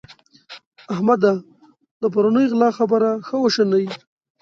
احمده! د پرونۍ غلا خبره ښه وشنئ.